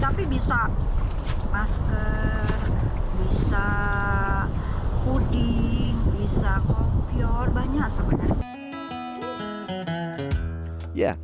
tapi bisa masker bisa puding bisa kopior banyak sebenarnya